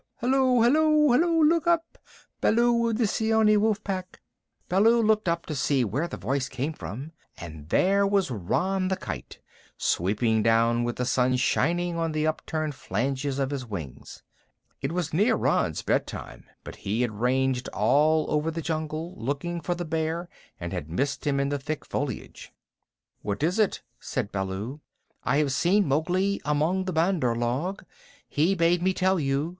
Hillo! Illo! Illo, look up, Baloo of the Seeonee Wolf Pack!" Baloo looked up to see where the voice came from, and there was Rann the Kite, sweeping down with the sun shining on the upturned flanges of his wings. It was near Rann's bedtime, but he had ranged all over the jungle looking for the Bear and had missed him in the thick foliage. "What is it?" said Baloo. "I have seen Mowgli among the Bandar log. He bade me tell you.